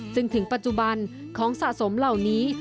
ถึงปัจจุบันของสะสมเหล่านี้